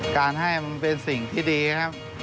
การให้มันเป็นสิ่งที่ดีนะครับ